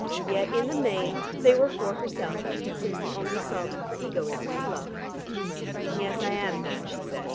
Yet in the main they were for herself, since the only solvent for egoism is love. "Yes, I am that," she said.